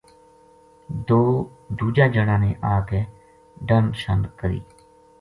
دوجا جنا نے آ کے ڈنڈ شن کری